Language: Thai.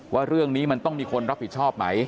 ว่าเรื่องนี้มันต้องมีคนรับผิดชอบไหม